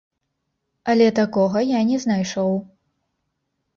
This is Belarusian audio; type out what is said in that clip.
Але такога я не знайшоў.